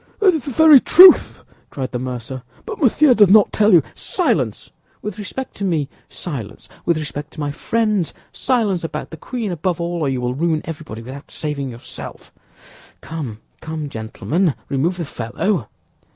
"That is the very truth," cried the mercer; "but Monsieur does not tell you—" "Silence, with respect to me, silence, with respect to my friends; silence about the queen, above all, or you will ruin everybody without saving yourself! Come, come, gentlemen, remove the fellow."